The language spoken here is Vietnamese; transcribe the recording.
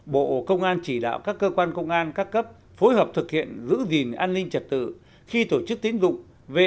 bộ công an chỉ đạo các cơ quan công an các cấp phối hợp thực hiện giữ gìn an ninh trật tự khi tổ chức tiến dụng